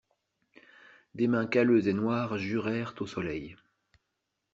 Des mains calleuses et noires jurèrent au soleil.